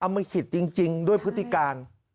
มาขิตจริงด้วยพฤติการ